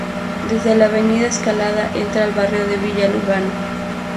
Desde la Avenida Escalada entra al barrio de Villa Lugano.